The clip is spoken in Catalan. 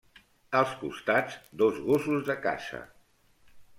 Als costats, dos gossos de caça.